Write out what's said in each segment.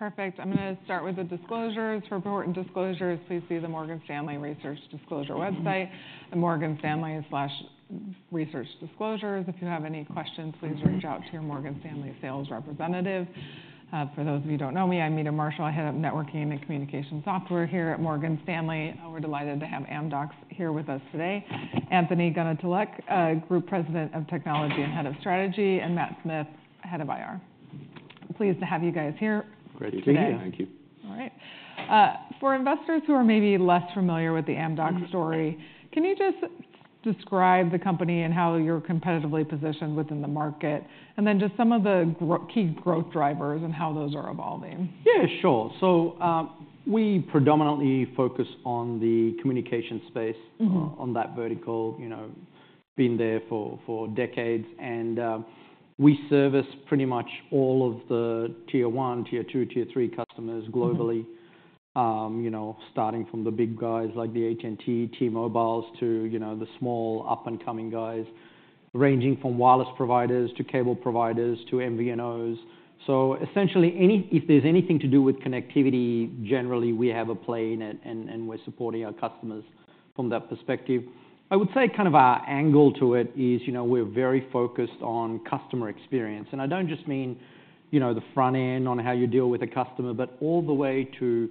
All right, perfect. I'm going to start with the disclosures. For important disclosures, please see the Morgan Stanley Research Disclosure website, the Morgan Stanley/Research Disclosures. If you have any questions, please reach out to your Morgan Stanley sales representative. For those of you who don't know me, I'm Meta Marshall. I head up networking and communication software here at Morgan Stanley. We're delighted to have Amdocs here with us today: Anthony Goonetilleke, Group President of Technology and Head of Strategy; and Matt Smith, Head of IR. Pleased to have you guys here. Great to be here. Good to be here. Thank you. All right. For investors who are maybe less familiar with the Amdocs story, can you just describe the company and how you're competitively positioned within the market, and then just some of the key growth drivers and how those are evolving? Yeah, sure. So we predominantly focus on the communication space, on that vertical, been there for decades. And we service pretty much all of the Tier one, Tier two, Tier three customers globally, starting from the big guys like the AT&T, T-Mobile, to the small up-and-coming guys, ranging from wireless providers to cable providers to MVNOs. So essentially, if there's anything to do with connectivity, generally we have a play, and we're supporting our customers from that perspective. I would say kind of our angle to it is we're very focused on customer experience. And I don't just mean the front end on how you deal with a customer, but all the way to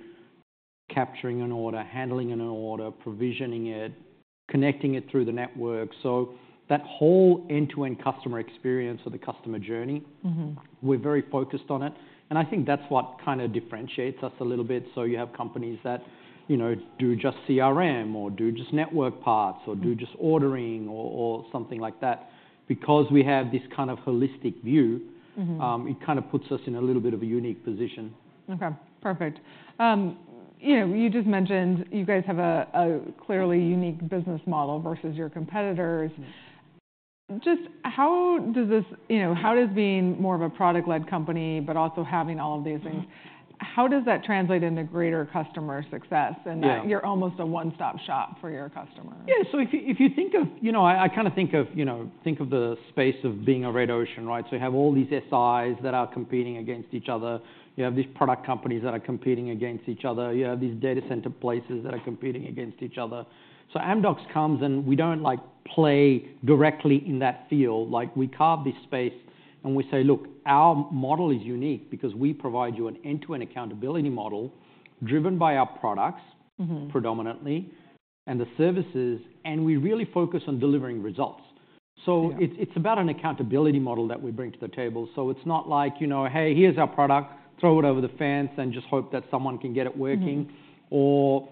capturing an order, handling an order, provisioning it, connecting it through the network. So that whole end-to-end customer experience or the customer journey, we're very focused on it. I think that's what kind of differentiates us a little bit. You have companies that do just CRM, or do just network parts, or do just ordering, or something like that. Because we have this kind of holistic view, it kind of puts us in a little bit of a unique position. Okay, perfect. You just mentioned you guys have a clearly unique business model versus your competitors. Just how does this being more of a product-led company but also having all of these things, how does that translate into greater customer success, and you're almost a one-stop shop for your customers? Yeah, so if you think, I kind of think of the space as being a red ocean, right? So you have all these SIs that are competing against each other. You have these product companies that are competing against each other. You have these data center places that are competing against each other. So Amdocs comes, and we don't play directly in that field. We carve this space, and we say, "Look, our model is unique because we provide you an end-to-end accountability model driven by our products, predominantly, and the services, and we really focus on delivering results." So it's about an accountability model that we bring to the table. So it's not like, "Hey, here's our product. Throw it over the fence and just hope that someone can get it working," or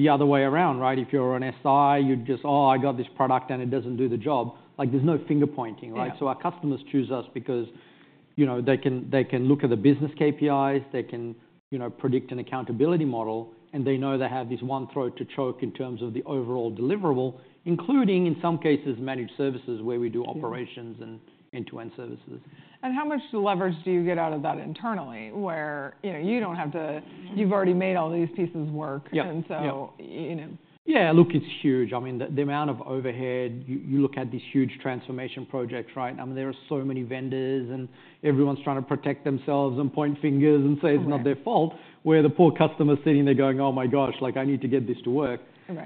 the other way around, right? If you're an SI, you'd just, "Oh, I got this product, and it doesn't do the job." There's no finger-pointing, right? So our customers choose us because they can look at the business KPIs. They can predict an accountability model, and they know they have this one throat to choke in terms of the overall deliverable, including, in some cases, managed services where we do operations and end-to-end services. How much leverage do you get out of that internally, where you don't have to, you've already made all these pieces work, and so? Yeah, look, it's huge. I mean, the amount of overhead you look at these huge transformation projects, right? I mean, there are so many vendors, and everyone's trying to protect themselves and point fingers and say it's not their fault, where the poor customer's sitting there going, "Oh my gosh, I need to get this to work."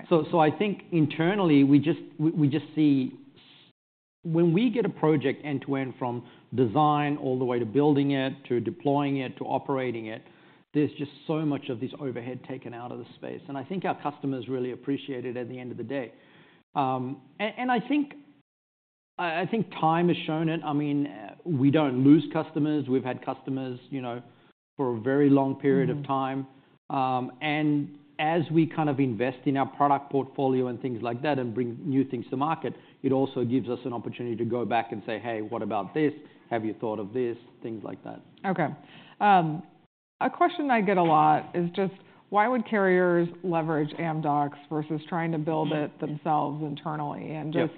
So I think internally we just see when we get a project end-to-end from design all the way to building it, to deploying it, to operating it, there's just so much of this overhead taken out of the space. And I think our customers really appreciate it at the end of the day. And I think time has shown it. I mean, we don't lose customers. We've had customers for a very long period of time. As we kind of invest in our product portfolio and things like that and bring new things to market, it also gives us an opportunity to go back and say, "Hey, what about this? Have you thought of this?" Things like that. Okay. A question I get a lot is just, why would carriers leverage Amdocs versus trying to build it themselves internally? And just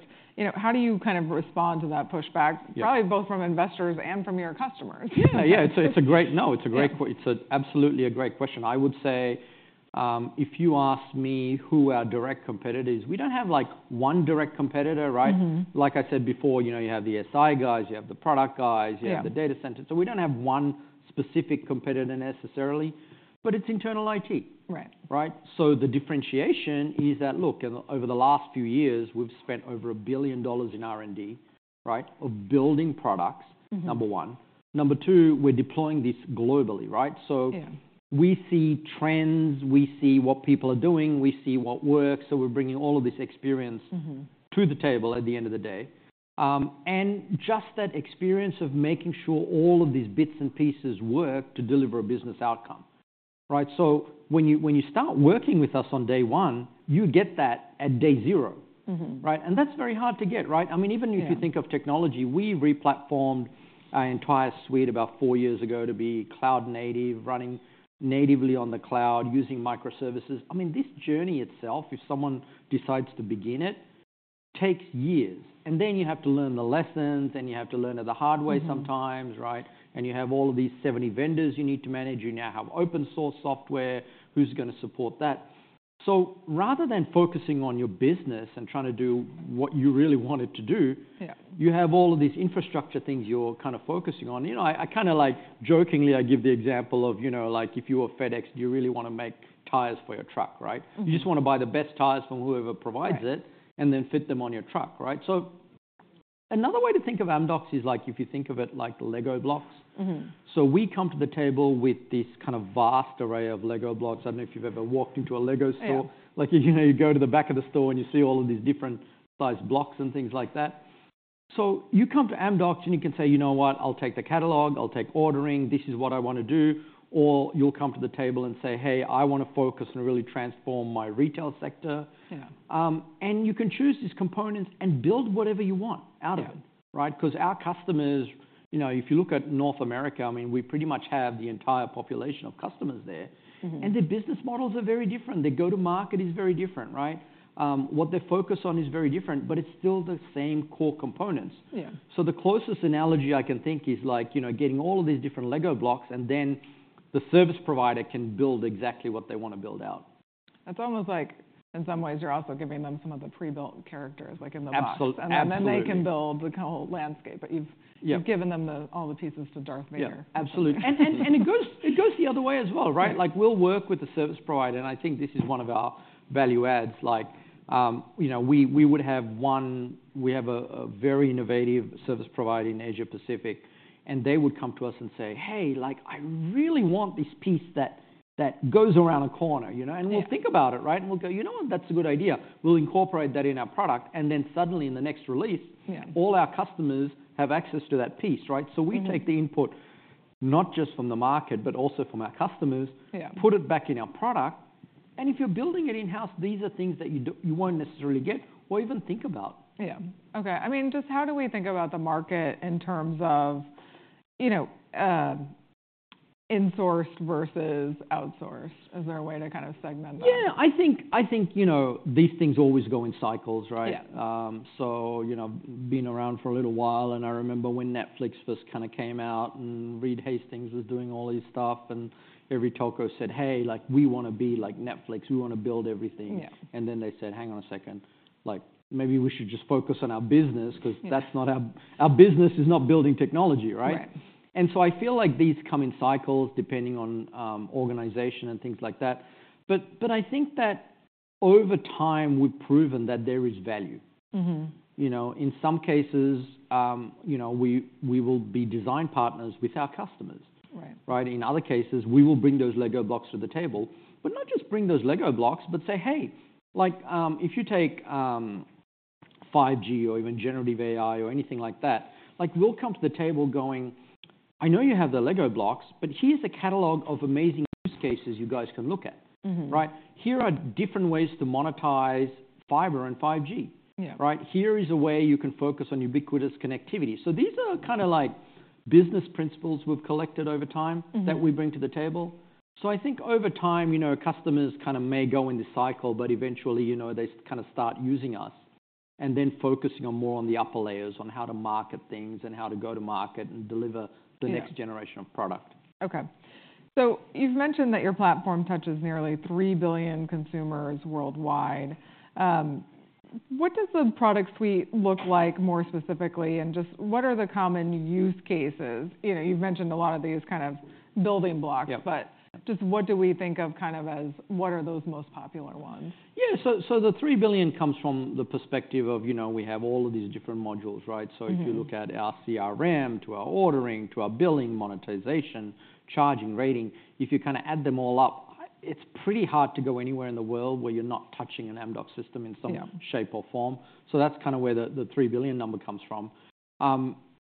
how do you kind of respond to that pushback, probably both from investors and from your customers? Yeah, it's a great one. It's absolutely a great question. I would say if you ask me who our direct competitors we don't have one direct competitor, right? Like I said before, you have the SI guys. You have the product guys. You have the data center. So we don't have one specific competitor necessarily, but it's internal IT, right? So the differentiation is that, look, over the last few years, we've spent over $1 billion in R&D, right, of building products, number one. Number two, we're deploying this globally, right? So we see trends. We see what people are doing. We see what works. So we're bringing all of this experience to the table at the end of the day. And just that experience of making sure all of these bits and pieces work to deliver a business outcome, right? So when you start working with us on day one, you get that at day zero, right? And that's very hard to get, right? I mean, even if you think of technology, we replatformed our entire suite about four years ago to be cloud-native, running natively on the cloud, using microservices. I mean, this journey itself, if someone decides to begin it, takes years. And then you have to learn the lessons, and you have to learn it the hard way sometimes, right? And you have all of these 70 vendors you need to manage. You now have open-source software. Who's going to support that? So rather than focusing on your business and trying to do what you really wanted to do, you have all of these infrastructure things you're kind of focusing on. I kind of jokingly give the example of if you were FedEx, do you really want to make tires for your truck, right? You just want to buy the best tires from whoever provides it and then fit them on your truck, right? So another way to think of Amdocs is if you think of it like LEGO blocks. So we come to the table with this kind of vast array of LEGO blocks. I don't know if you've ever walked into a LEGO store. You go to the back of the store, and you see all of these different-sized blocks and things like that. So you come to Amdocs, and you can say, "You know what? I'll take the catalog. I'll take ordering. This is what I want to do," or you'll come to the table and say, "Hey, I want to focus and really transform my retail sector." And you can choose these components and build whatever you want out of it, right? Because our customers if you look at North America, I mean, we pretty much have the entire population of customers there. And their business models are very different. Their go-to-market is very different, right? What they focus on is very different, but it's still the same core components. So the closest analogy I can think is getting all of these different LEGO blocks, and then the service provider can build exactly what they want to build out. It's almost like, in some ways, you're also giving them some of the pre-built characters in the box. Absolutely. Then they can build the whole landscape. But you've given them all the pieces to Darth Vader. Yeah, absolutely. And it goes the other way as well, right? We'll work with the service provider. And I think this is one of our value adds. We would have one we have a very innovative service provider in Asia-Pacific, and they would come to us and say, "Hey, I really want this piece that goes around a corner." And we'll think about it, right? And we'll go, "You know what? That's a good idea. We'll incorporate that in our product." And then suddenly, in the next release, all our customers have access to that piece, right? So we take the input, not just from the market but also from our customers, put it back in our product. And if you're building it in-house, these are things that you won't necessarily get or even think about. Yeah. Okay. I mean, just how do we think about the market in terms of insourced versus outsourced? Is there a way to kind of segment that? Yeah, I think these things always go in cycles, right? So being around for a little while and I remember when Netflix first kind of came out, and Reed Hastings was doing all this stuff, and every telco said, "Hey, we want to be like Netflix. We want to build everything." And then they said, "Hang on a second. Maybe we should just focus on our business because our business is not building technology," right? And so I feel like these come in cycles depending on organization and things like that. But I think that over time, we've proven that there is value. In some cases, we will be design partners with our customers, right? In other cases, we will bring those LEGO blocks to the table, but not just bring those LEGO blocks, but say, "Hey, if you take 5G or even generative AI or anything like that, we'll come to the table going, 'I know you have the LEGO blocks, but here's a catalog of amazing use cases you guys can look at,' right? Here are different ways to monetize fiber and 5G, right? Here is a way you can focus on ubiquitous connectivity." So these are kind of business principles we've collected over time that we bring to the table. So I think over time, customers kind of may go in this cycle, but eventually they kind of start using us and then focusing more on the upper layers, on how to market things and how to go to market and deliver the next generation of product. Okay. So you've mentioned that your platform touches nearly 3 billion consumers worldwide. What does the product suite look like more specifically, and just what are the common use cases? You've mentioned a lot of these kind of building blocks, but just what do we think of kind of as what are those most popular ones? Yeah, so the $3 billion comes from the perspective of we have all of these different modules, right? So if you look at our CRM, to our ordering, to our billing monetization, charging rating, if you kind of add them all up, it's pretty hard to go anywhere in the world where you're not touching an Amdocs system in some shape or form. So that's kind of where the $3 billion number comes from.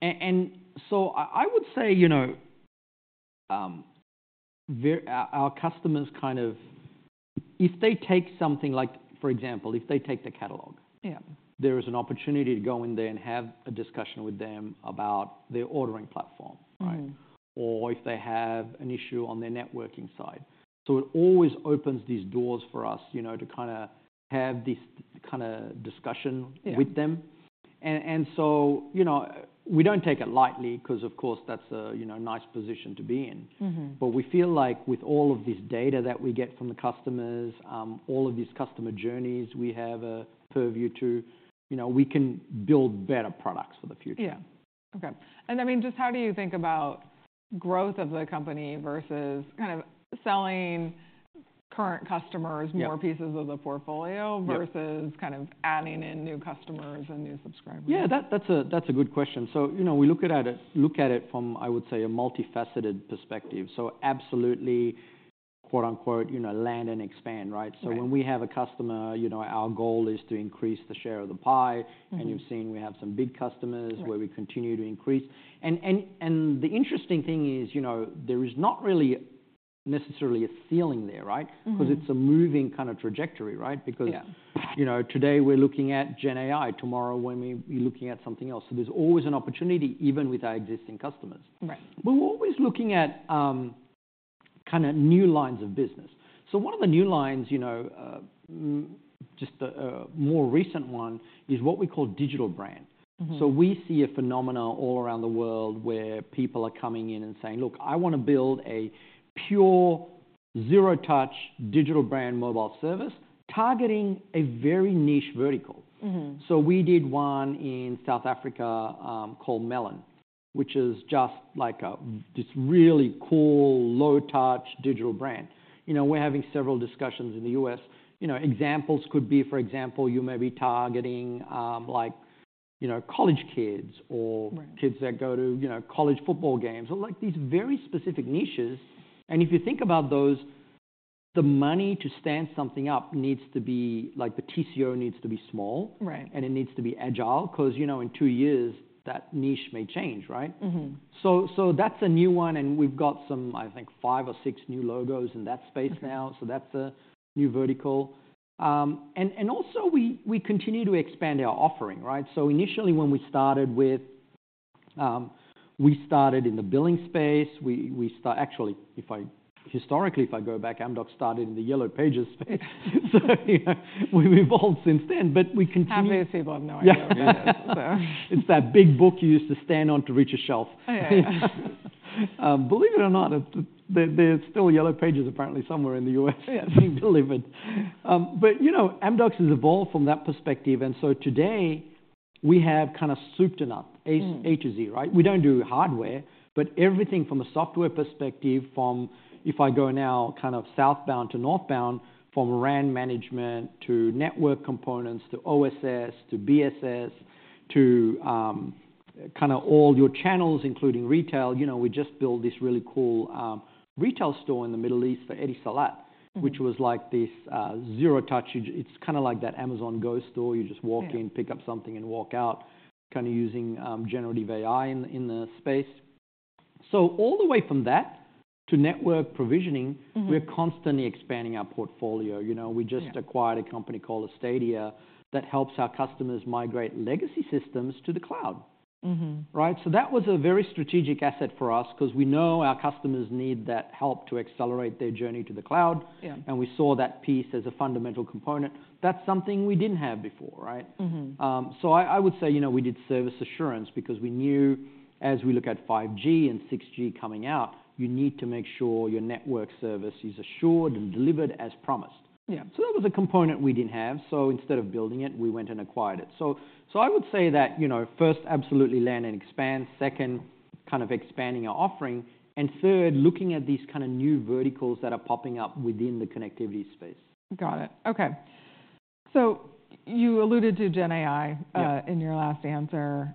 And so I would say our customers kind of if they take something for example, if they take the catalog, there is an opportunity to go in there and have a discussion with them about their ordering platform, right? Or if they have an issue on their networking side. So it always opens these doors for us to kind of have this kind of discussion with them. And so we don't take it lightly because, of course, that's a nice position to be in. But we feel like with all of this data that we get from the customers, all of these customer journeys we have a purview to, we can build better products for the future. Yeah. Okay. I mean, just how do you think about growth of the company versus kind of selling current customers more pieces of the portfolio versus kind of adding in new customers and new subscribers? Yeah, that's a good question. So we look at it from, I would say, a multifaceted perspective. So absolutely, quote-unquote, "land and expand," right? So when we have a customer, our goal is to increase the share of the pie. And you've seen we have some big customers where we continue to increase. And the interesting thing is there is not really necessarily a ceiling there, right? Because it's a moving kind of trajectory, right? Because today we're looking at Gen AI. Tomorrow, we'll be looking at something else. So there's always an opportunity, even with our existing customers. But we're always looking at kind of new lines of business. So one of the new lines, just a more recent one, is what we call digital brand. So we see a phenomenon all around the world where people are coming in and saying, "Look, I want to build a pure, zero-touch digital brand mobile service targeting a very niche vertical." We did one in South Africa called Melon, which is just this really cool, low-touch digital brand. We're having several discussions in the U.S. Examples could be, for example, you may be targeting college kids or kids that go to college football games or these very specific niches. If you think about those, the money to stand something up needs to be the TCO needs to be small, and it needs to be agile because in two years, that niche may change, right? That's a new one. We've got some, I think, five or six new logos in that space now. That's a new vertical. And also, we continue to expand our offering, right? So initially, when we started in the billing space. Actually, historically, if I go back, Amdocs started in the Yellow Pages space. So we've evolved since then, but we continue. How do they see it without knowing it? It's that big book you used to stand on to reach a shelf. Believe it or not, there's still Yellow Pages, apparently, somewhere in the U.S. being delivered. But Amdocs has evolved from that perspective. And so today, we have kind of souped it up, A to Z, right? We don't do hardware, but everything from a software perspective, from if I go now kind of southbound to northbound, from RAN management to network components to OSS to BSS to kind of all your channels, including retail. We just built this really cool retail store in the Middle East for Etisalat, which was this zero-touch. It's kind of like that Amazon Go store. You just walk in, pick up something, and walk out kind of using generative AI in the space. So all the way from that to network provisioning, we're constantly expanding our portfolio. We just acquired a company called Astadia that helps our customers migrate legacy systems to the cloud, right? So that was a very strategic asset for us because we know our customers need that help to accelerate their journey to the cloud. And we saw that piece as a fundamental component. That's something we didn't have before, right? So I would say we did service assurance because we knew, as we look at 5G and 6G coming out, you need to make sure your network service is assured and delivered as promised. So that was a component we didn't have. So instead of building it, we went and acquired it. So I would say that first, absolutely land and expand; second, kind of expanding our offering; and third, looking at these kind of new verticals that are popping up within the connectivity space. Got it. Okay. So you alluded to Gen AI in your last answer.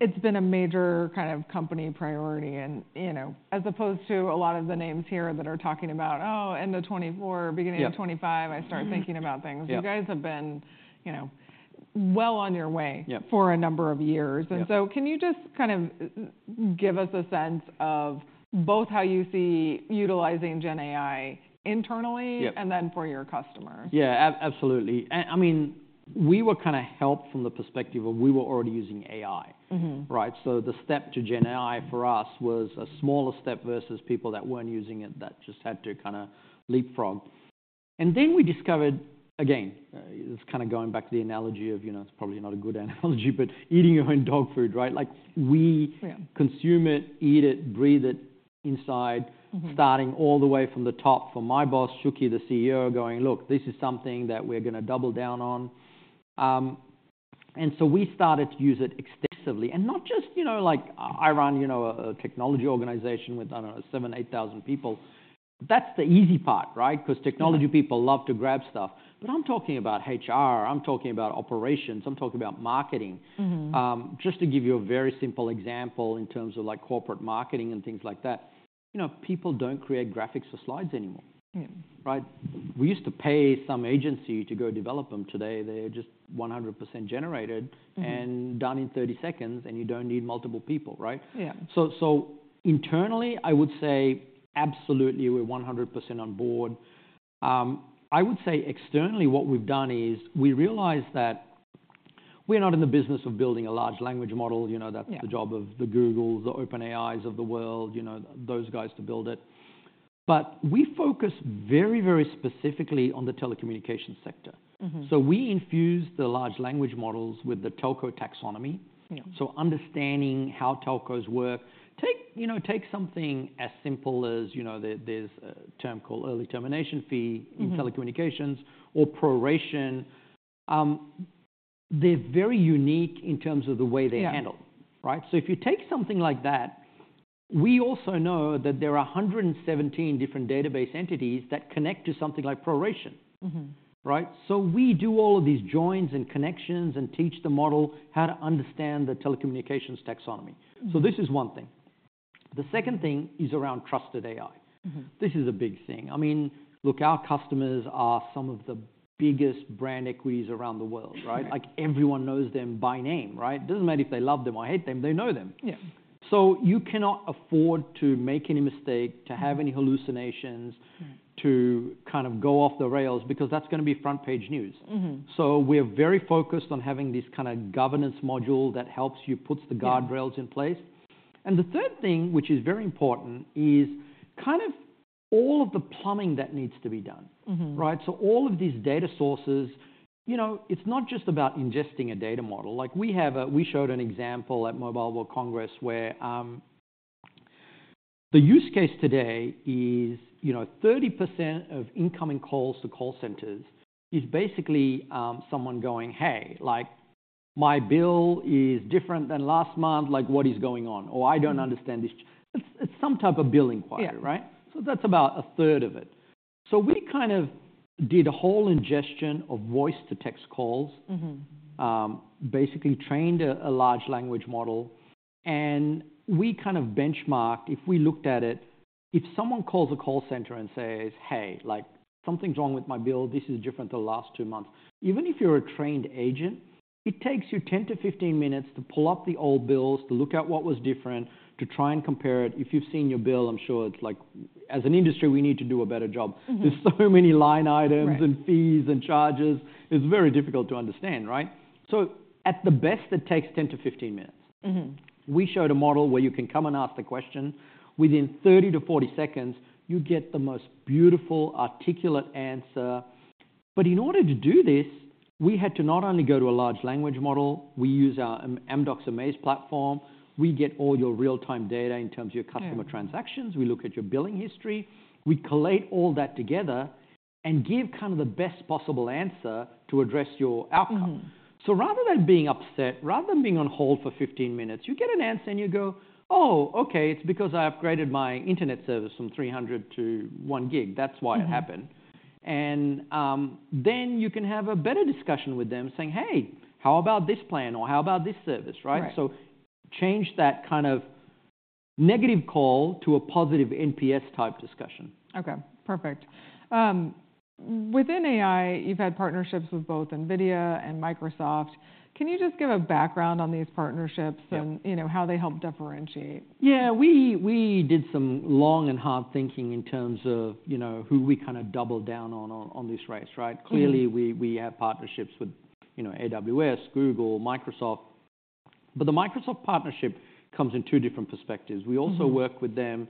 It's been a major kind of company priority. And as opposed to a lot of the names here that are talking about, "Oh, end of 2024, beginning of 2025," I start thinking about things. You guys have been well on your way for a number of years. And so can you just kind of give us a sense of both how you see utilizing Gen AI internally and then for your customers? Yeah, absolutely. I mean, we were kind of helped from the perspective of we were already using AI, right? So the step to Gen AI for us was a smaller step versus people that weren't using it that just had to kind of leapfrog. And then we discovered, again, it's kind of going back to the analogy of it's probably not a good analogy, but eating your own dog food, right? We consume it, eat it, breathe it inside, starting all the way from the top. For my boss, Shuky, the CEO, going, "Look, this is something that we're going to double down on." And so we started to use it extensively. And not just I run a technology organization with, I don't know, 7,000, 8,000 people. That's the easy part, right? Because technology people love to grab stuff. But I'm talking about HR. I'm talking about operations. I'm talking about marketing. Just to give you a very simple example in terms of corporate marketing and things like that, people don't create graphics for slides anymore, right? We used to pay some agency to go develop them. Today, they're just 100% generated and done in 30 seconds, and you don't need multiple people, right? So internally, I would say, absolutely, we're 100% on board. I would say externally, what we've done is we realize that we're not in the business of building a large language model. That's the job of the Googles, the OpenAIs of the world, those guys to build it. But we focus very, very specifically on the telecommunications sector. So we infuse the large language models with the telco taxonomy. So understanding how telcos work take something as simple as there's a term called early termination fee in telecommunications or proration. They're very unique in terms of the way they're handled, right? So if you take something like that, we also know that there are 117 different database entities that connect to something like proration, right? So we do all of these joins and connections and teach the model how to understand the telecommunications taxonomy. So this is one thing. The second thing is around trusted AI. This is a big thing. I mean, look, our customers are some of the biggest brand equities around the world, right? Everyone knows them by name, right? It doesn't matter if they love them or hate them. They know them. So you cannot afford to make any mistake, to have any hallucinations, to kind of go off the rails because that's going to be front-page news. So we're very focused on having this kind of governance module that helps you, puts the guardrails in place. And the third thing, which is very important, is kind of all of the plumbing that needs to be done, right? So all of these data sources, it's not just about ingesting a data model. We showed an example at Mobile World Congress where the use case today is 30% of incoming calls to call centers is basically someone going, "Hey, my bill is different than last month. What is going on?" Or, "I don't understand this." It's some type of bill inquiry, right? So that's about a third of it. So we kind of did a whole ingestion of voice-to-text calls, basically trained a large language model. And we kind of benchmarked, if we looked at it, if someone calls a call center and says, "Hey, something's wrong with my bill. This is different than the last two months," even if you're a trained agent, it takes you 10-15 minutes to pull up the old bills, to look at what was different, to try and compare it. If you've seen your bill, I'm sure it's like, as an industry, we need to do a better job. There's so many line items and fees and charges. It's very difficult to understand, right? So at the best, it takes 10-15 minutes. We showed a model where you can come and ask the question. Within 30-40 seconds, you get the most beautiful, articulate answer. But in order to do this, we had to not only go to a large language model. We use our Amdocs amAIz platform. We get all your real-time data in terms of your customer transactions. We look at your billing history. We collate all that together and give kind of the best possible answer to address your outcome. So rather than being upset, rather than being on hold for 15 minutes, you get an answer, and you go, "Oh, okay. It's because I upgraded my internet service from 300 to 1 gig. That's why it happened." And then you can have a better discussion with them saying, "Hey, how about this plan?" or, "How about this service?" right? So change that kind of negative call to a positive NPS-type discussion. Okay. Perfect. Within AI, you've had partnerships with both NVIDIA and Microsoft. Can you just give a background on these partnerships and how they help differentiate? Yeah. We did some long and hard thinking in terms of who we kind of double down on this race, right? Clearly, we have partnerships with AWS, Google, Microsoft. But the Microsoft partnership comes in two different perspectives. We also work with them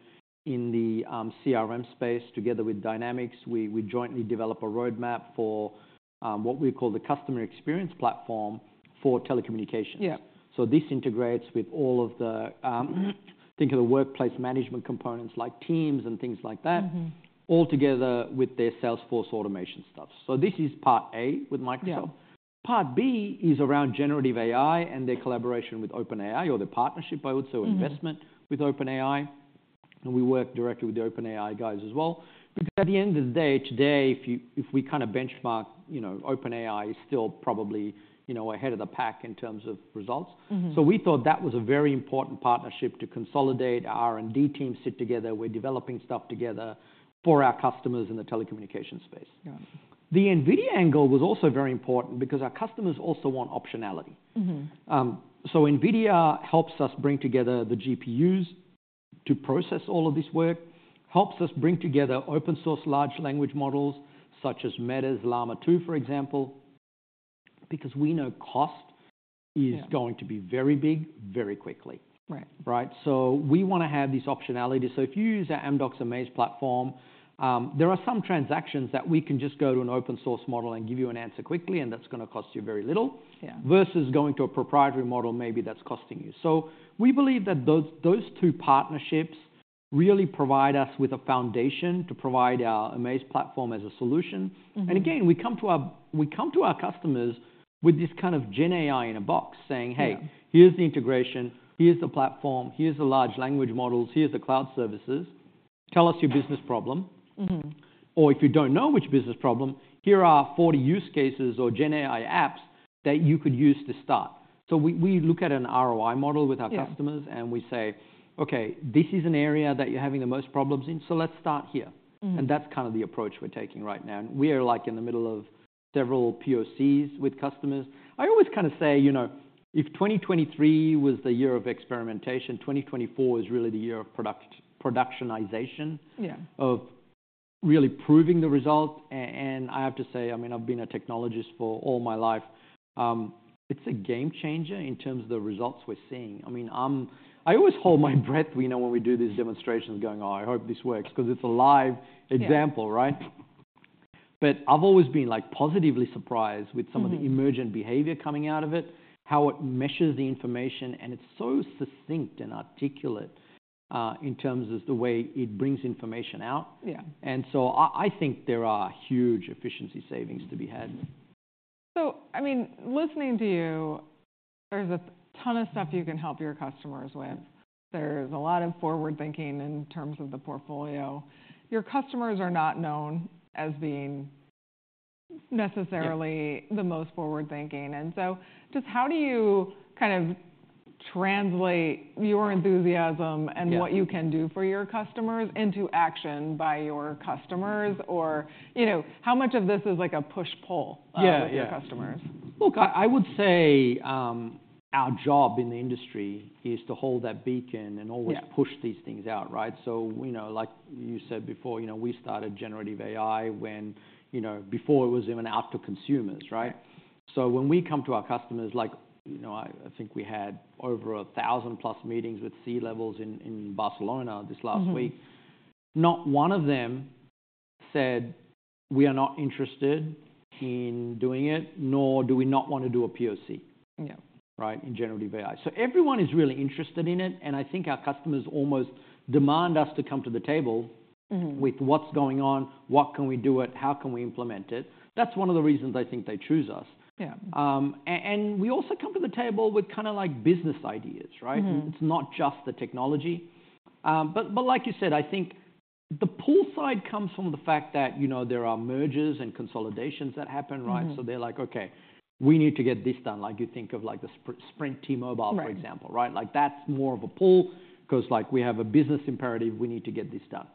in the CRM space together with Dynamics. We jointly develop a roadmap for what we call the customer experience platform for telecommunications. So this integrates with all of the think of the workplace management components like Teams and things like that, all together with their sales force automation stuff. So this is part A with Microsoft. Part B is around generative AI and their collaboration with OpenAI or their partnership, I would say, or investment with OpenAI. And we work directly with the OpenAI guys as well. Because at the end of the day, today, if we kind of benchmark, OpenAI is still probably ahead of the pack in terms of results. So we thought that was a very important partnership to consolidate our R&D team, sit together. We're developing stuff together for our customers in the telecommunications space. The NVIDIA angle was also very important because our customers also want optionality. So NVIDIA helps us bring together the GPUs to process all of this work, helps us bring together open-source large language models such as Meta's Llama 2, for example, because we know cost is going to be very big very quickly, right? So we want to have these optionalities. So if you use our Amdocs amAIz platform, there are some transactions that we can just go to an open-source model and give you an answer quickly, and that's going to cost you very little versus going to a proprietary model, maybe that's costing you. So we believe that those two partnerships really provide us with a foundation to provide our Amaze platform as a solution. And again, we come to our customers with this kind of Gen AI in a box saying, "Hey, here's the integration. Here's the platform. Here's the large language models. Here's the cloud services. Tell us your business problem." Or if you don't know which business problem, "Here are 40 use cases or Gen AI apps that you could use to start." So we look at an ROI model with our customers, and we say, "Okay. This is an area that you're having the most problems in. So let's start here." And that's kind of the approach we're taking right now. And we are in the middle of several POCs with customers. I always kind of say, if 2023 was the year of experimentation, 2024 is really the year of productionization of really proving the result. And I have to say, I mean, I've been a technologist for all my life. It's a game changer in terms of the results we're seeing. I mean, I always hold my breath when we do these demonstrations going, "Oh, I hope this works," because it's a live example, right? But I've always been positively surprised with some of the emergent behavior coming out of it, how it measures the information. And it's so succinct and articulate in terms of the way it brings information out. I think there are huge efficiency savings to be had. So I mean, listening to you, there's a ton of stuff you can help your customers with. There's a lot of forward-thinking in terms of the portfolio. Your customers are not known as being necessarily the most forward-thinking. And so just how do you kind of translate your enthusiasm and what you can do for your customers into action by your customers? Or how much of this is a push-pull of your customers? Yeah. Look, I would say our job in the industry is to hold that beacon and always push these things out, right? So like you said before, we started Generative AI before it was even out to consumers, right? So when we come to our customers, I think we had over 1,000+ meetings with C-levels in Barcelona this last week. Not one of them said, "We are not interested in doing it, nor do we not want to do a POC," right, in Generative AI. So everyone is really interested in it. And I think our customers almost demand us to come to the table with what's going on, what can we do it, how can we implement it. That's one of the reasons I think they choose us. And we also come to the table with kind of business ideas, right? It's not just the technology. But like you said, I think the pull side comes from the fact that there are mergers and consolidations that happen, right? So they're like, "Okay. We need to get this done." You think of the Sprint T-Mobile, for example, right? That's more of a pull because we have a business imperative. We need to get this done.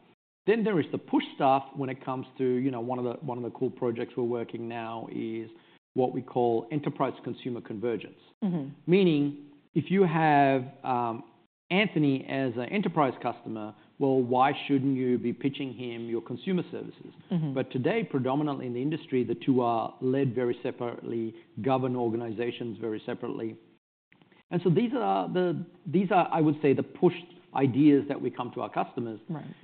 Then there is the push stuff when it comes to one of the cool projects we're working now is what we call enterprise-consumer convergence, meaning if you have Anthony as an enterprise customer, well, why shouldn't you be pitching him your consumer services? But today, predominantly in the industry, the two are led very separately, govern organizations very separately. And so these are, I would say, the pushed ideas that we come to our customers.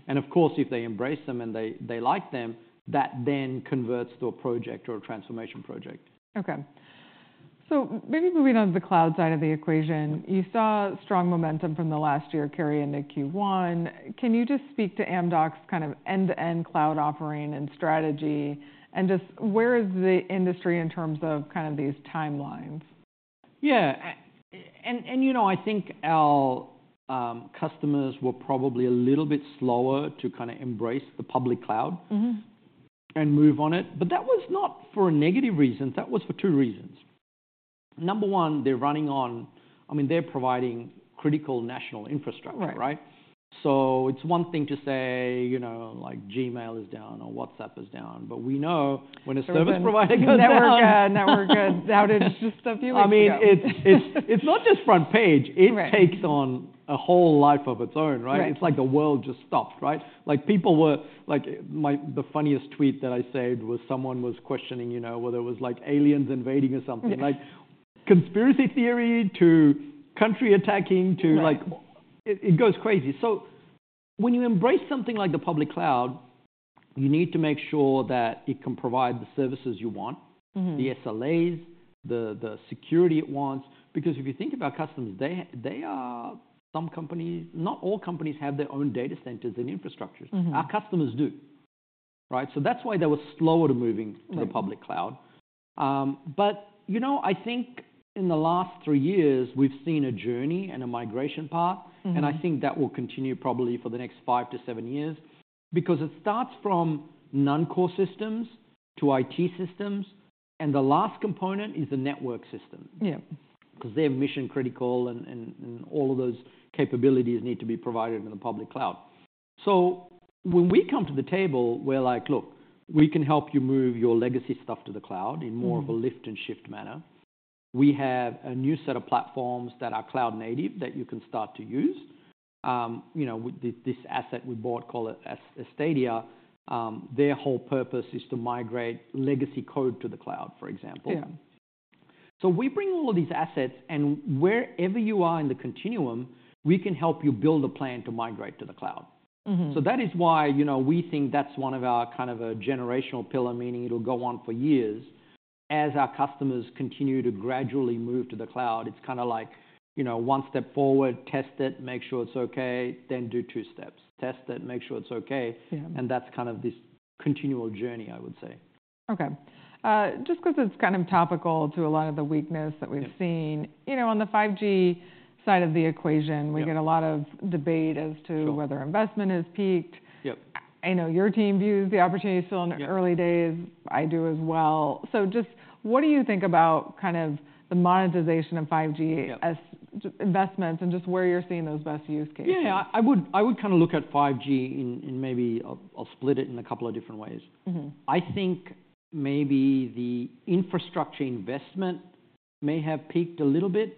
Of course, if they embrace them and they like them, that then converts to a project or a transformation project. Okay. So maybe moving on to the cloud side of the equation, you saw strong momentum from the last year, carry into Q1. Can you just speak to Amdocs' kind of end-to-end cloud offering and strategy? And just where is the industry in terms of kind of these timelines? Yeah. And I think our customers were probably a little bit slower to kind of embrace the public cloud and move on it. But that was not for a negative reason. That was for two reasons. Number one, they're running on—I mean, they're providing critical national infrastructure, right? So it's one thing to say Gmail is down or WhatsApp is down. But we know when a service provider goes down. Network outage just a few weeks ago. I mean, it's not just front page. It takes on a whole life of its own, right? It's like the world just stopped, right? People were the funniest tweet that I saved was someone was questioning whether it was aliens invading or something, like conspiracy theory to country attacking to it goes crazy. So when you embrace something like the public cloud, you need to make sure that it can provide the services you want, the SLAs, the security it wants. Because if you think about customers, they are some companies not all companies have their own data centers and infrastructures. Our customers do, right? So that's why they were slower to moving to the public cloud. But I think in the last three years, we've seen a journey and a migration path. I think that will continue probably for the next 5-7 years because it starts from non-core systems to IT systems. The last component is the network system because they're mission-critical, and all of those capabilities need to be provided in the public cloud. So when we come to the table, we're like, "Look, we can help you move your legacy stuff to the cloud in more of a lift-and-shift manner. We have a new set of platforms that are cloud-native that you can start to use. This asset we bought, call it Astadia, their whole purpose is to migrate legacy code to the cloud, for example." We bring all of these assets. Wherever you are in the continuum, we can help you build a plan to migrate to the cloud. That is why we think that's one of our kind of generational pillars, meaning it'll go on for years. As our customers continue to gradually move to the cloud, it's kind of like one step forward, test it, make sure it's okay, then do two steps, test it, make sure it's okay. And that's kind of this continual journey, I would say. Okay. Just because it's kind of topical to a lot of the weakness that we've seen, on the 5G side of the equation, we get a lot of debate as to whether investment has peaked. I know your team views the opportunity still in the early days. I do as well. So just what do you think about kind of the monetization of 5G investments and just where you're seeing those best use cases? Yeah. I would kind of look at 5G in maybe I'll split it in a couple of different ways. I think maybe the infrastructure investment may have peaked a little bit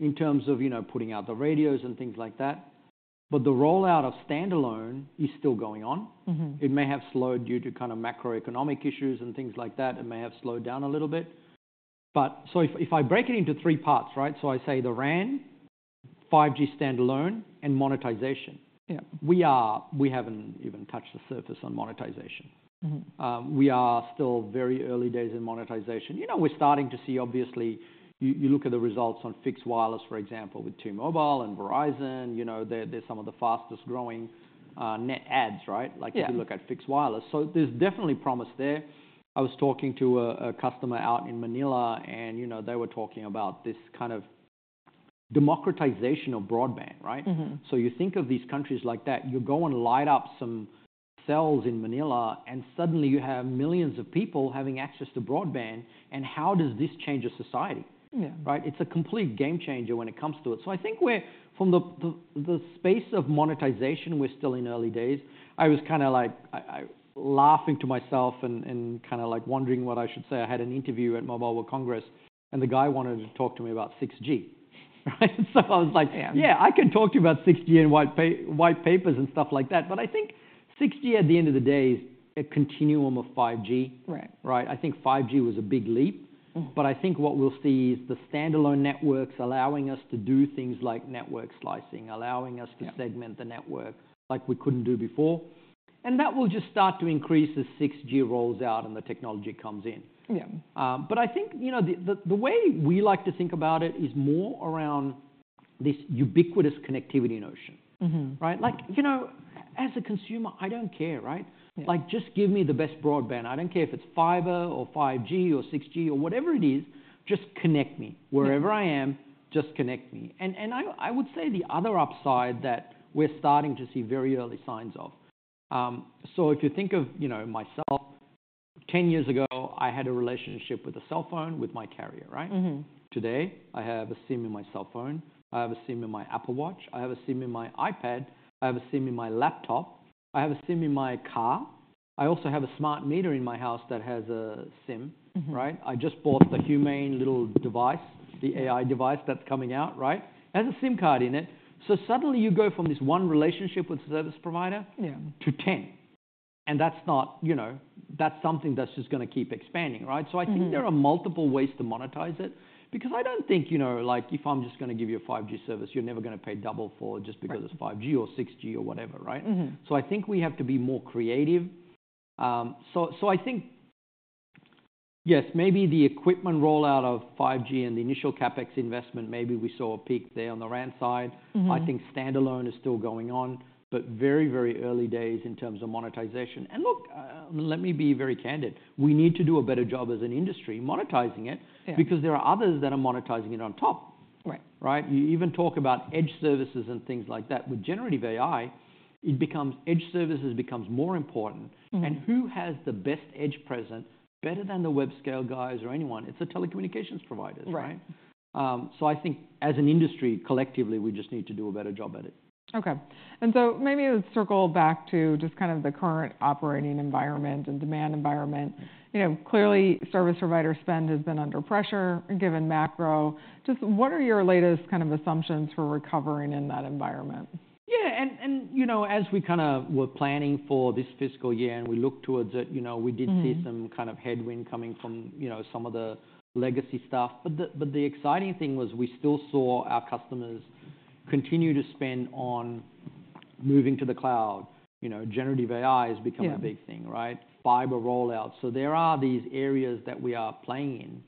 in terms of putting out the radios and things like that. But the rollout of standalone is still going on. It may have slowed due to kind of macroeconomic issues and things like that. It may have slowed down a little bit. So if I break it into three parts, right? So I say the RAN, 5G standalone, and monetization. We haven't even touched the surface on monetization. We are still very early days in monetization. We're starting to see, obviously, you look at the results on Fixed Wireless, for example, with T-Mobile and Verizon. They're some of the fastest-growing net adds, right? If you look at Fixed Wireless. So there's definitely promise there. I was talking to a customer out in Manila, and they were talking about this kind of democratization of broadband, right? So you think of these countries like that. You go and light up some cells in Manila, and suddenly, you have millions of people having access to broadband. And how does this change a society, right? It's a complete game changer when it comes to it. So I think from the space of monetization, we're still in early days. I was kind of laughing to myself and kind of wondering what I should say. I had an interview at Mobile World Congress, and the guy wanted to talk to me about 6G, right? So I was like, "Yeah. I can talk to you about 6G and white papers and stuff like that." But I think 6G, at the end of the day, is a continuum of 5G, right? I think 5G was a big leap. But I think what we'll see is the standalone networks allowing us to do things like network slicing, allowing us to segment the network like we couldn't do before. And that will just start to increase as 6G rolls out and the technology comes in. But I think the way we like to think about it is more around this ubiquitous connectivity notion, right? As a consumer, I don't care, right? Just give me the best broadband. I don't care if it's fiber or 5G or 6G or whatever it is. Just connect me wherever I am. Just connect me. And I would say the other upside that we're starting to see very early signs of so if you think of myself, 10 years ago, I had a relationship with a cell phone with my carrier, right? Today, I have a SIM in my cell phone. I have a SIM in my Apple Watch. I have a SIM in my iPad. I have a SIM in my laptop. I have a SIM in my car. I also have a smart meter in my house that has a SIM, right? I just bought the Humane little device, the AI device that's coming out, right? It has a SIM card in it. So suddenly, you go from this one relationship with a service provider to 10. And that's something that's just going to keep expanding, right? So I think there are multiple ways to monetize it because I don't think if I'm just going to give you a 5G service, you're never going to pay double for it just because it's 5G or 6G or whatever, right? So I think we have to be more creative. So I think, yes, maybe the equipment rollout of 5G and the initial CapEx investment, maybe we saw a peak there on the RAN side. I think Standalone is still going on, but very, very early days in terms of monetization. And look, let me be very candid. We need to do a better job as an industry monetizing it because there are others that are monetizing it on top, right? You even talk about edge services and things like that. With Generative AI, edge services become more important. And who has the best edge present better than the WebScale guys or anyone? It's the telecommunications providers, right? So I think as an industry, collectively, we just need to do a better job at it. Okay. And so maybe let's circle back to just kind of the current operating environment and demand environment. Clearly, service provider spend has been under pressure given macro. Just what are your latest kind of assumptions for recovering in that environment? Yeah. And as we kind of were planning for this fiscal year and we looked towards it, we did see some kind of headwind coming from some of the legacy stuff. But the exciting thing was we still saw our customers continue to spend on moving to the cloud. Generative AI has become a big thing, right? Fiber rollout. So there are these areas that we are playing in.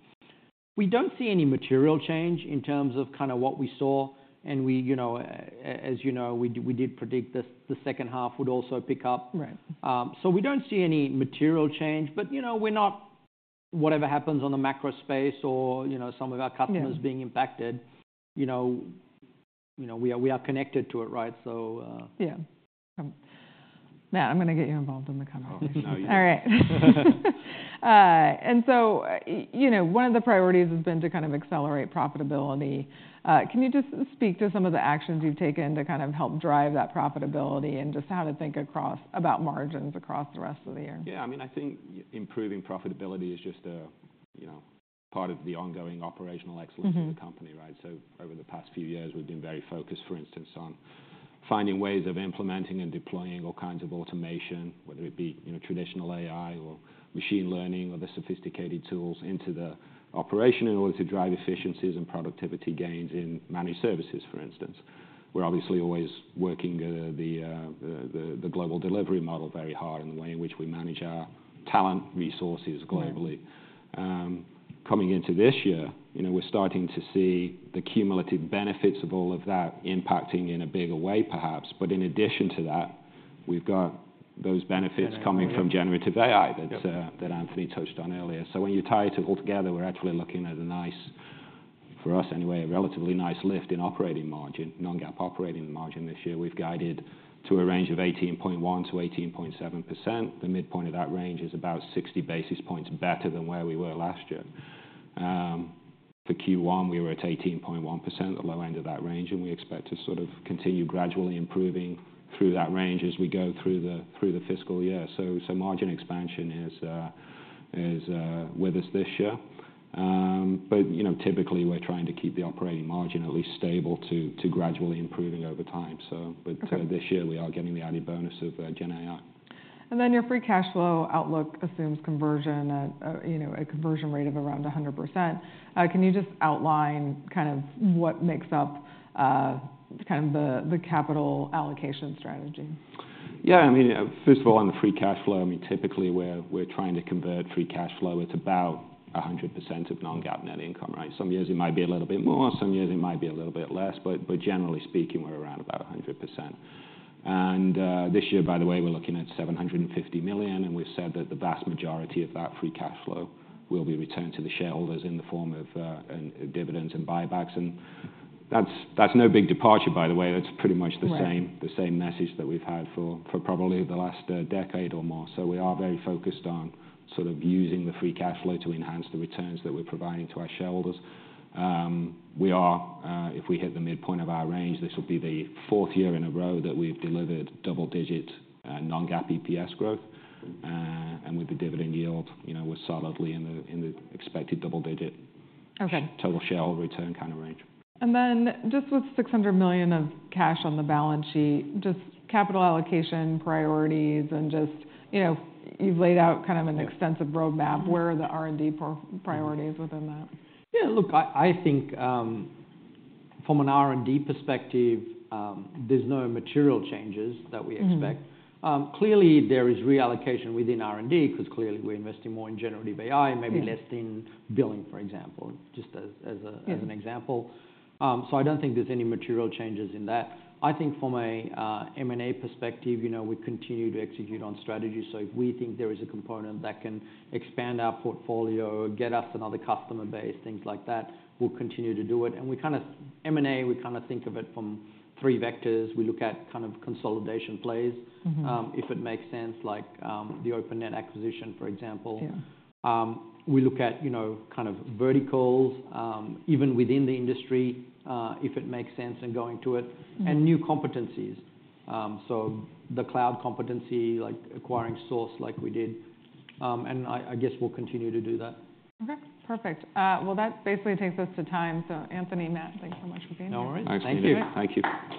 We don't see any material change in terms of kind of what we saw. And as you know, we did predict the second half would also pick up. So we don't see any material change. But we're not whatever happens on the macro space or some of our customers being impacted. We are connected to it, right? So. Yeah. Matt, I'm going to get you involved in the conversation. All right. And so one of the priorities has been to kind of accelerate profitability. Can you just speak to some of the actions you've taken to kind of help drive that profitability and just how to think about margins across the rest of the year? Yeah. I mean, I think improving profitability is just part of the ongoing operational excellence of the company, right? So over the past few years, we've been very focused, for instance, on finding ways of implementing and deploying all kinds of automation, whether it be traditional AI or machine learning or the sophisticated tools into the operation in order to drive efficiencies and productivity gains in managed services, for instance. We're obviously always working the global delivery model very hard in the way in which we manage our talent resources globally. Coming into this year, we're starting to see the cumulative benefits of all of that impacting in a bigger way, perhaps. But in addition to that, we've got those benefits coming from generative AI that Anthony touched on earlier. So when you tie it all together, we're actually looking at a nice for us anyway, a relatively nice lift in operating margin, non-GAAP operating margin this year. We've guided to a range of 18.1%-18.7%. The midpoint of that range is about 60 basis points better than where we were last year. For Q1, we were at 18.1%, the low end of that range. And we expect to sort of continue gradually improving through that range as we go through the fiscal year. So margin expansion with us this year. But typically, we're trying to keep the operating margin at least stable to gradually improving over time. But this year, we are getting the added bonus of GenAI. Then your free cash flow outlook assumes a conversion rate of around 100%. Can you just outline kind of what makes up kind of the capital allocation strategy? Yeah. I mean, first of all, on the free cash flow, I mean, typically, we're trying to convert free cash flow. It's about 100% of non-GAAP net income, right? Some years, it might be a little bit more. Some years, it might be a little bit less. But generally speaking, we're around about 100%. And this year, by the way, we're looking at $750 million. And we've said that the vast majority of that free cash flow will be returned to the shareholders in the form of dividends and buybacks. And that's no big departure, by the way. That's pretty much the same message that we've had for probably the last decade or more. So we are very focused on sort of using the free cash flow to enhance the returns that we're providing to our shareholders. If we hit the midpoint of our range, this will be the fourth year in a row that we've delivered double-digit Non-GAAP EPS growth. With the dividend yield, we're solidly in the expected double-digit total shareholder return kind of range. Then just with $600 million of cash on the balance sheet, just capital allocation priorities and just you've laid out kind of an extensive roadmap. Where are the R&D priorities within that? Yeah. Look, I think from an R&D perspective, there's no material changes that we expect. Clearly, there is reallocation within R&D because clearly, we're investing more in generative AI, maybe less in billing, for example, just as an example. So I don't think there's any material changes in that. I think from an M&A perspective, we continue to execute on strategy. So if we think there is a component that can expand our portfolio, get us another customer base, things like that, we'll continue to do it. And M&A, we kind of think of it from three vectors. We look at kind of consolidation plays, if it makes sense, like the Openet acquisition, for example. We look at kind of verticals, even within the industry, if it makes sense and going to it, and new competencies, so the cloud competency, like acquiring Source like we did. I guess we'll continue to do that. Okay. Perfect. Well, that basically takes us to time. Anthony, Matt, thanks so much for being here. No worries. Thank you. Nice to meet you. Thank you.